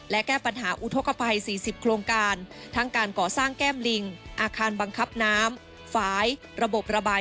และแก้ปัญหาอุทธกภัย๔๐โครงการ